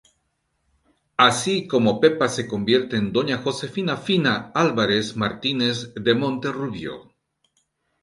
Así como Pepa se convierte en doña Josefina "Fina" Álvarez Martínez de Monterrubio.